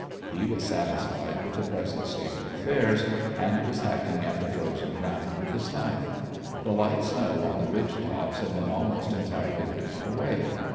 He was satisfied with the present state of affairs, and was hacking at the frozen ground with his knife. The light snow on the ridge tops had been almost entirely drifted away.